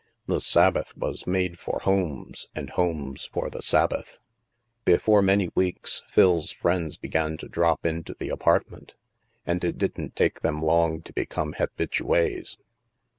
The Sabbath was made for homes, and homes for the Sabbath. Before many weeks, Phil's friends began to drop into the apartment, and it didn't take them long to become habitues.